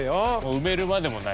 埋めるまでもない。